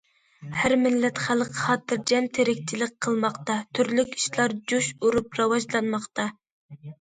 ھەر مىللەت خەلق خاتىرجەم تىرىكچىلىك قىلماقتا، تۈرلۈك ئىشلار جۇش ئۇرۇپ راۋاجلانماقتا.